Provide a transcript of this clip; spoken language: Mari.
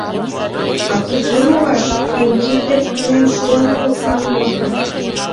— А кузе умылаш «Еҥ кид дек тунемше омыл» манметым?